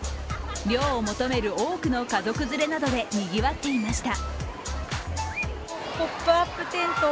涼を求める多くの家族連れなどでにぎわっていました。